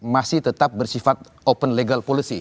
masih tetap bersifat open legal policy